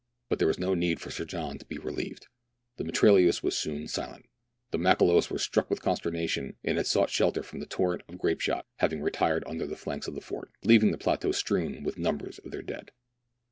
But there was no need for Sir John to be relieved ; the mitrailleuse was soon silent. The Makololos were struck with consternation, and had sought shelter from the torrent of grape shot, having retired under the flanks of the fort, , leaving the plateau strewn with numbers of their dead.